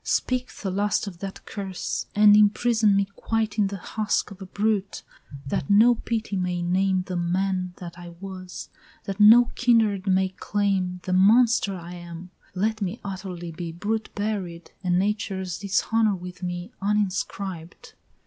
Speak the last of that curse! and imprison me quite In the husk of a brute, that no pity may name The man that I was, that no kindred may claim "The monster I am! Let me utterly be Brute buried, and Nature's dishonor with me Uninscribed!"